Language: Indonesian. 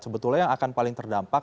sebetulnya yang akan paling terdampak